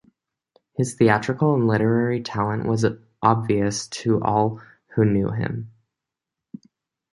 His theatrical and literary talent was obvious to all who knew him.